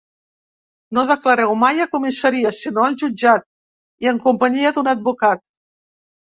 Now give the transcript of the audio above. No declareu mai a comissaria, sinó al jutjat i en companyia d’un advocat.